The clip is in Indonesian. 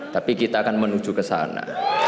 tapi kita akan menuju ke sana